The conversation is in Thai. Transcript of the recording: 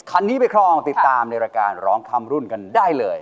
คันนี้ไปครองติดตามในรายการร้องข้ามรุ่นกันได้เลย